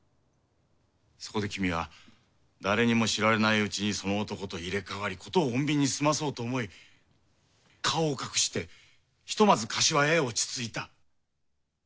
そこで君は誰にも知られないうちにその男と入れ替わりことを穏便に済まそうと思い顔を隠してひとまず柏屋へ落ち着いた。